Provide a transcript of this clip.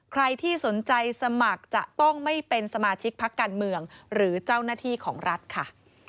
ใครที่สนใจสมัครจะต้องไม่เป็นสมาชิกพักการเมืองหรือเจ้าหน้าที่ของรัฐค่ะ